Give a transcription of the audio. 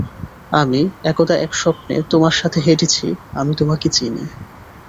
আমি একদা এক স্বপ্নে তোমার সাথে হেঁটেছি আমি তোমাকে চিনি।